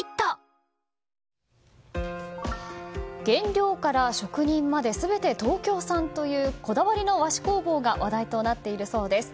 原料から職人まで全て東京産というこだわりの和紙工房が話題となっているそうです。